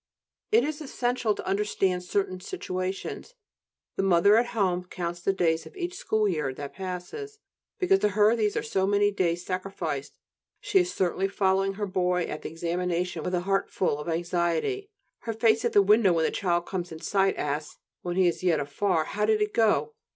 It is essential to understand certain situations: the mother at home counts the days of each school year that passes, because to her these are so many days sacrificed; she is certainly following her boy at the examination with a heart full of anxiety; her face at the window when the child comes in sight asks, when he is yet afar: "How did it go?"